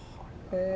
へえ。